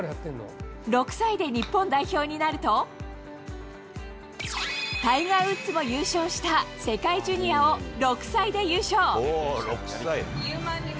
６歳で日本代表になると、タイガー・ウッズも優勝した世界ジュニアを６歳で優勝。